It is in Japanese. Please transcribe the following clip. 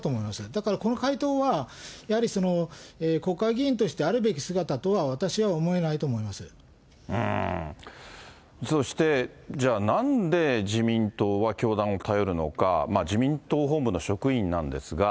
だからこの回答は、やはり国会議員としてあるべき姿とは、そして、じゃあ、なんで自民党は教団を頼るのか、自民党本部の職員なんですが。